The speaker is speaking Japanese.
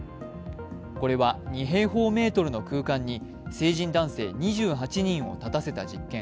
これは２平方メートルの空間に成人男性２８人を立たせた実験。